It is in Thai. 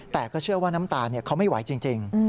แต่ก็เชื่อว่าน้ำตาลเขาไม่ไหวจริง